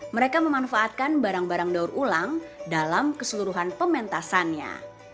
mereka memanfaatkan barang barang daur ulang dalam keseluruhan pementasannya